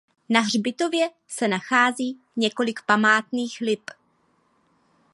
Na hřbitově se nachází několik památných lip.